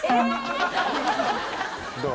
どう？